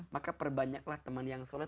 maka perbanyaklah teman yang sholat